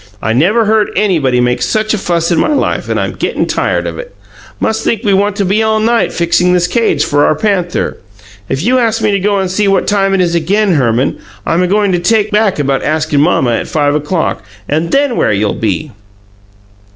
I never heard anybody make such a fuss in my life, and I'm gettin' tired of it. Must think we want to be all night fixin' this cage for our panther! If you ask me to go and see what time it is again, Herman, I'm a goin' to take back about askin' mamma at five o'clock, and THEN where'll you be?"